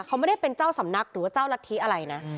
เขาไม่ได้เป็นเจ้าสำนักหรือว่าเจ้ารัฐธิอะไรนะ